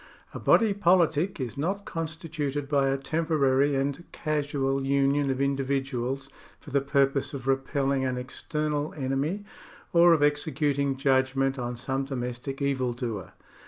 A body politic is not constituted by a tem porary and casual union of individuals, for the purpose of repelling an external enemy, or of executing judgment on some domestic evildoer.